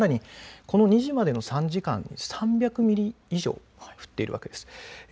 この２時までの３時間に３００ミリ以上降っているわけです。